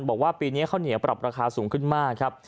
บอกว่าปีนี้ข้าวเหนียวปรับราคาสูงขึ้นมากครับ